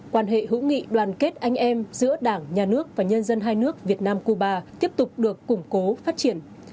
quan hệ hữu nghị đoàn kết anh em giữa đảng nhà nước và nhân dân hai nước việt nam cuba tiếp tục được củng cố phát triển